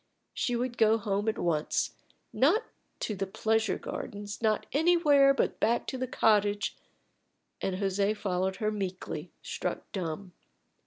She would go home at once; not to the pleasure gardens, not anywhere but back to the cottage; and José followed her meekly, struck dumb.